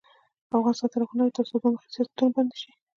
افغانستان تر هغو نه ابادیږي، ترڅو دوه مخي سیاستونه بند نشي.